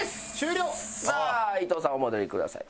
さあ伊藤さんお戻りください。